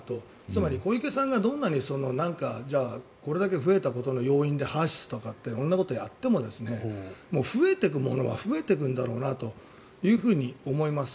つまり小池さんがどんなにこれだけ増えたことの要因としてＨＥＲ−ＳＹＳとかって色んなことをやっても増えていくものは増えていくんだろうなと思います。